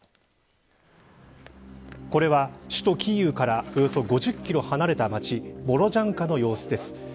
これは首都キーウからおよそ５０キロ離れた町ボロジャンカの様子です。